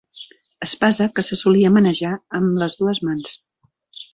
Espasa que se solia manejar amb les dues mans.